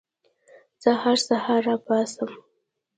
زه هر سهار راپاڅم.